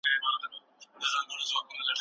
د برترۍ احساس د انسان علمي پرمختګ دروي.